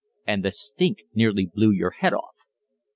"And the stink nearly blew your head off."